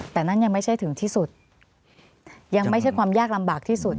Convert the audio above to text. แต่นั่นยังไม่ใช่ถึงที่สุดยังไม่ใช่ความยากลำบากที่สุด